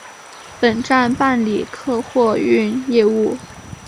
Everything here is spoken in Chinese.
本站办理客货运业务。